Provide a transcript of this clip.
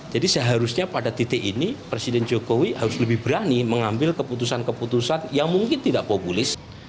jadi seharusnya pada titik ini presiden jokowi harus lebih berani mengambil keputusan keputusan yang mungkin tidak populis